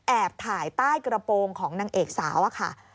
แอบถ่ายใต้กระโปรงของนางเอกสาวอะค่ะ